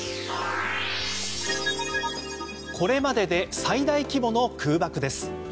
これまでで最大規模の空爆です。